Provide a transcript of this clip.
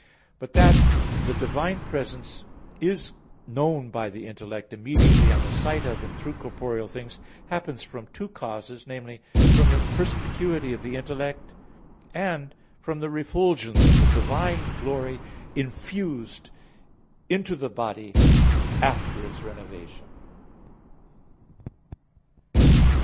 But that the divine presence is known by the intellect immediately on the sight of, and through, corporeal things, happens from two causes viz. from the perspicuity of the intellect, and from the refulgence of the divine glory infused into the body after its renovation.